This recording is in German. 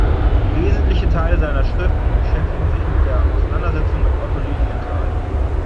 Wesentliche Teile seiner Schriften beschäftigen sich mit der Auseinandersetzung mit Otto Lilienthal.